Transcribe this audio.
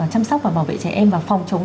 chăm sóc và bảo vệ trẻ em và phòng chống